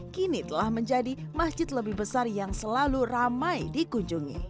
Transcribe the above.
kini telah menjadi masjid lebih besar yang selalu ramai dikunjungi